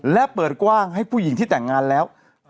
และเปิดกว้างให้ผู้หญิงที่แต่งงานแล้ว